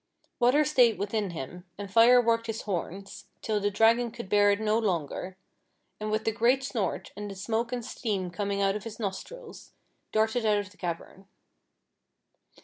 Water stayed within him, and Fire worked his horns, till the Dragon could bear it no longer, and with a great snort, and the smoke and steam coming out of his nostrils, darted out of the cavern.